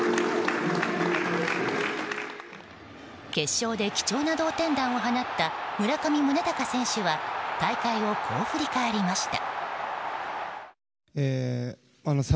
決勝で貴重な同点弾を放った村上宗隆選手は大会をこう振り返りました。